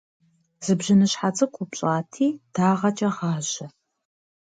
Зы бжьыныщхьэ цӏыкӏу упщӏати дагъэкӏэ гъажьэ.